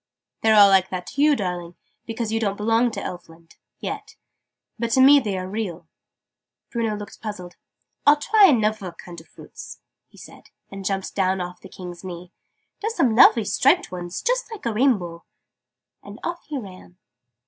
"They're all like that to you, darling, because you don't belong to Elfland yet. But to me they are real." Bruno looked puzzled. "I'll try anuvver kind of fruits!" he said, and jumped down off the King's knee. "There's some lovely striped ones, just like a rainbow!" And off he ran.